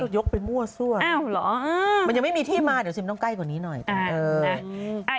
ยกไปมั่วซั่วมันยังไม่มีที่มาเดี๋ยวซิมต้องใกล้กว่านี้หน่อย